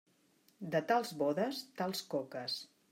De tals bodes, tals coques.